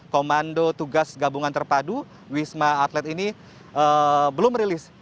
komando tugas gabungan terpadu wisma atlet ini belum rilis